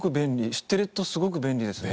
知ってるとすごく便利ですね。